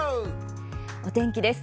お天気です。